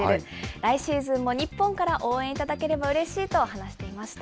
来シーズンも日本から応援いただければうれしいと話していました。